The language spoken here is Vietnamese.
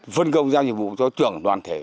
phân công giao nhiệm vụ cho trưởng đoàn thể